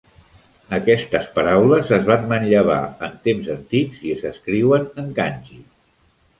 Aquestes paraules es van manllevar en temps antics i s'escriuen en kanji.